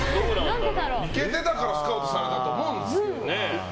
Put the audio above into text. イケてたからスカウトされてたと思うんですけどね。